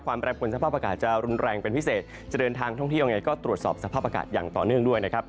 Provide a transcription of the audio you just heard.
แปรผลสภาพอากาศจะรุนแรงเป็นพิเศษจะเดินทางท่องเที่ยวยังไงก็ตรวจสอบสภาพอากาศอย่างต่อเนื่องด้วยนะครับ